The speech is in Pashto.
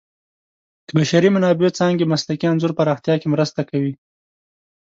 د بشري منابعو څانګې مسلکي انځور پراختیا کې مرسته کوي.